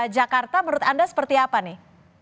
jakarta menurut anda seperti apa nih